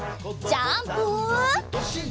ジャンプ！